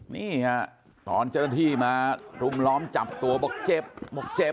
นี่ฮะตอนเจ้าหน้าที่มารุมล้อมจับตัวบอกเจ็บบอกเจ็บ